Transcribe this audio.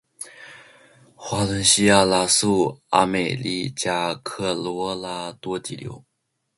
华伦西亚拉素阿美利加科罗拉多急流